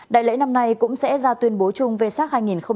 đại lễ năm nay cũng sẽ ra tuyên bố chung về sát hai nghìn một mươi chín